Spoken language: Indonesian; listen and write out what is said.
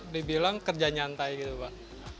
dibilang kerja nyantai gitu pak